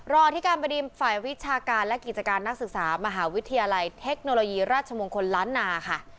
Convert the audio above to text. อธิการบดีฝ่ายวิชาการและกิจการนักศึกษามหาวิทยาลัยเทคโนโลยีราชมงคลล้านนาค่ะ